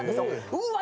うわ！